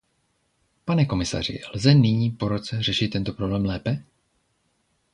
Pane komisaři, lze nyní po roce řešit tento problém lépe?